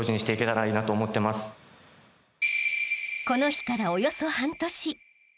［この日からおよそ］